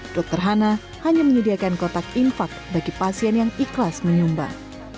dokter hana hanya menyediakan kotak infak bagi pasien yang ikhlas menyumbang